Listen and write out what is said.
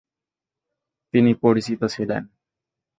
তিনি পরিচিত ছিলেন ।